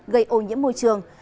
gây ô nhiễm môi trường